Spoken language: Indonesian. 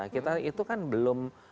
kita itu kan belum